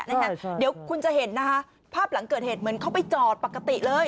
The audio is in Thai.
เดี๋ยวคุณจะเห็นนะคะภาพหลังเกิดเหตุเหมือนเขาไปจอดปกติเลย